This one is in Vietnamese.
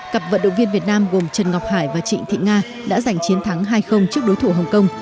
cặp vận động viên việt nam gồm trần ngọc hải và trịnh thị nga đã giành chiến thắng hai trước đối thủ hồng kông